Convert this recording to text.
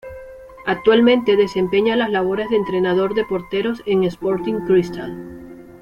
Actualmente desempeña las labores de entrenador de porteros en Sporting Cristal.